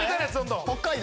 北海道。